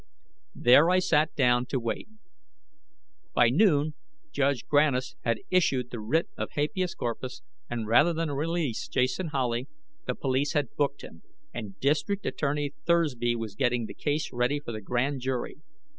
Then I sat down to wait. By noon, Judge Grannis had issued the writ of habeas corpus, and, rather than release Jason Howley, the police had booked him, and District Attorney Thursby was getting the case ready for the grand jury.